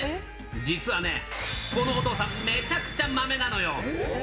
実はね、このお父さん、めちゃくちゃまめなのよ。